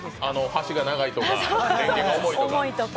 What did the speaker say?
箸が長いとかレンゲが重いとか。